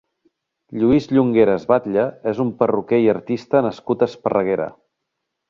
Lluís Llongueras Batlle és un perruquer i artista nascut a Esparreguera.